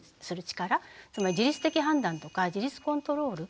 つまり自律的判断とか自律コントロール